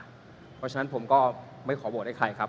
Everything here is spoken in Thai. เพราะฉะนั้นผมก็ไม่ขอโหวตให้ใครครับ